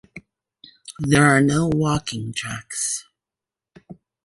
There are no walking tracks.